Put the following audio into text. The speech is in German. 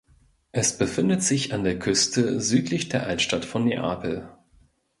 Es befindet sich an der Küste südlich der Altstadt von Neapel.